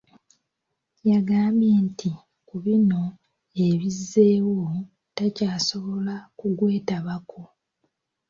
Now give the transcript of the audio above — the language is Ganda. Yagambye nti ku bino ebizzeewo takyasobola kugwetabako.